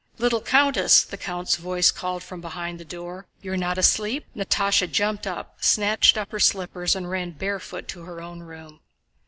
"Little countess!" the count's voice called from behind the door. "You're not asleep?" Natásha jumped up, snatched up her slippers, and ran barefoot to her own room.